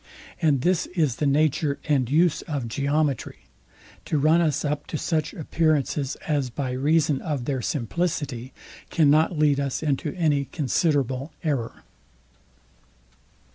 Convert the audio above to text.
And this is the nature and use of geometry, to run us up to such appearances, as, by reason of their simplicity, cannot lead us into any considerable error.